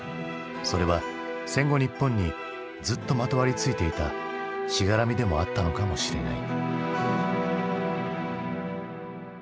それは戦後日本にずっとまとわりついていた「しがらみ」でもあったのかもしれない。